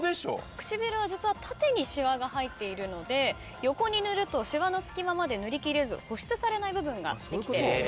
唇は実は縦にしわが入っているので横に塗るとしわの隙間まで塗りきれず保湿されない部分ができてしまいます。